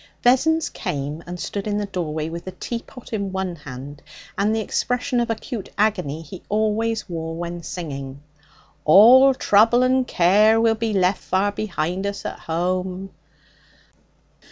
Vessons came and stood in the doorway with the teapot in one hand and the expression of acute agony he always wore when singing. 'All trouble and care Will be left far behind us at home!'